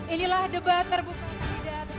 inilah debat terbuka